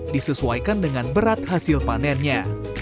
disesuaikan dengan berat hasil panennya